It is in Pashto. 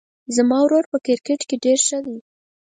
زما ورور په کرکټ کې ډېر ښه ده